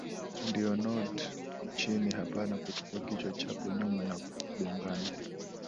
Ndio nod chini hapana kutupa kichwa chako nyuma na kugongana